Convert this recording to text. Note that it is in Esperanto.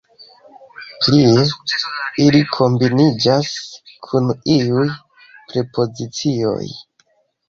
Plie, ili kombiniĝas kun iuj prepozicioj.